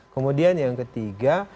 kemudian yang ketiga